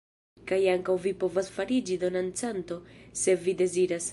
Kaj ankaŭ vi povas fariĝi donancanto se vi deziras.